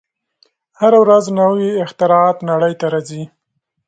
هره ورځ نوې اختراعات نړۍ ته راځي.